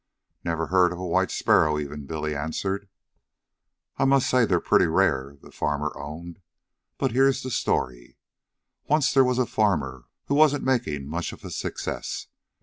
"Never heard of a white sparrow even," Billy answered. "I must say they're pretty rare," the farmer owned. "But here's the story: Once there was a farmer who wasn't making much of a success.